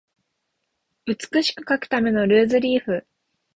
美しく書くためのルーズリーフ